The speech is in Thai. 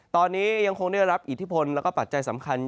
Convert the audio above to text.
ตอนนี้ยังคงได้รับอิทธิพลแล้วก็ปัจจัยสำคัญ